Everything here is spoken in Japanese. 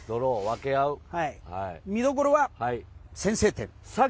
見どころは先制点。